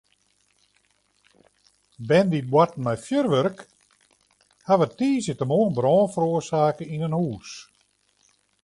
Bern dy't boarten mei fjurwurk hawwe tiisdeitemoarn brân feroarsake yn in hús.